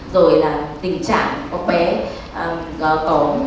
rồi là tình trạng của bé